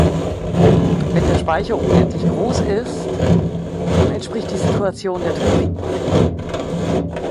Wenn der Speicher unendlich groß ist, dann entspricht die Situation der Turingmaschine.